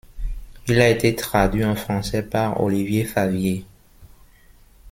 Il a été traduit en français par Olivier Favier.